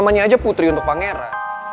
maaf ya saya terpaksa